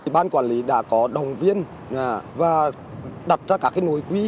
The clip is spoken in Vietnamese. bán quản lý đã có đồng viên và đặt ra các nối quý